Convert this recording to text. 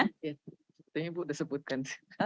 sepertinya bu sudah sebutkan